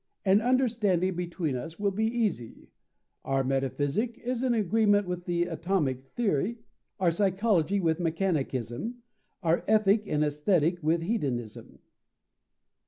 An understanding between us will be easy. Our Metaphysic is in agreement with the atomic theory, our Psychology with mechanicism, our Ethic and Aesthetic with hedonism."